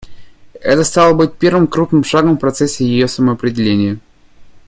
Это стало бы первым крупным шагом в процессе ее самоопределения.